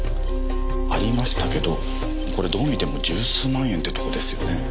ありましたけどこれどう見ても十数万円ってとこですよね。